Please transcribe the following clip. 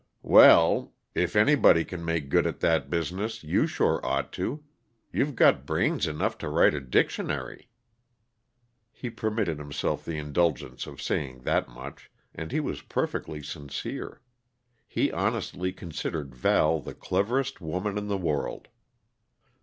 "Well if anybody can make good at that business, you sure ought to; you've got brains enough to write a dictionary." He permitted himself the indulgence of saying that much, and he was perfectly sincere. He honestly considered Val the cleverest woman in the world.